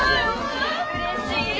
うれしい！